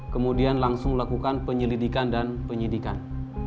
kemudian langsung melakukan penyelidikan dan penyidikan